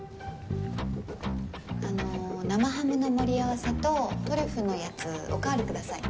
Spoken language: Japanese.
あの生ハムの盛り合わせとトリュフのやつおかわりください。